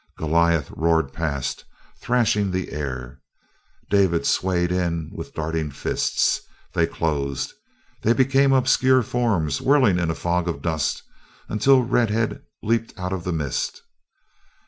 Goliath roared past, thrashing the air; David swayed in with darting fists. They closed. They became obscure forms whirling in a fog of dust until red head leaped out of the mist.